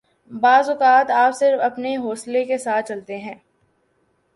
بعض اوقات آپ صرف اپنے حوصلہ کے ساتھ چلتے ہیں